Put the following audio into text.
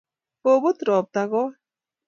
kobut robta koot